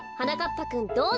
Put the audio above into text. ぱくんどうぞ。